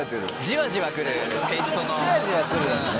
じわじわ来る。